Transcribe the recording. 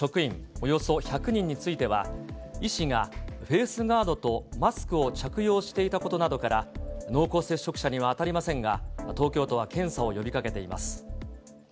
およそ１００人については、医師がフェースガードとマスクを着用していたことなどから、濃厚接触者には当たりませんが、東京都は検査を呼びかけています。